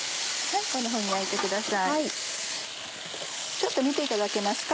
ちょっと見ていただけますか？